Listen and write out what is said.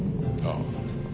ああ。